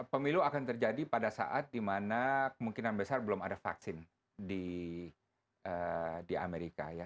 pemilu akan terjadi pada saat di mana kemungkinan besar belum ada vaksin di amerika ya